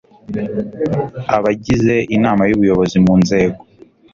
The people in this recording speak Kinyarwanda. abagize inama y ubuyobozi mu nzego